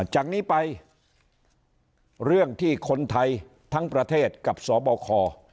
จากนี้ไปเรื่องที่คนไทยทั้งประเทศกับสบค